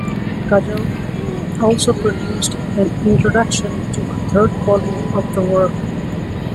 Kujau also produced an introduction to a third volume of the work.